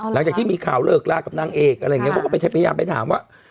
หลังจากที่มีข่าวเลิกลากับนางเอกอะไรอย่างนี้เขาก็ไปพยายามไปถามว่า